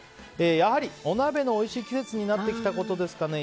やはりお鍋のおいしい季節になってきたことですかね。